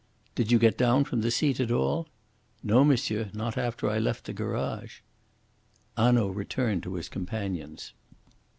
"Did you get down from the seat at all?" "No, monsieur; not after I left the garage." Hanaud returned to his companions.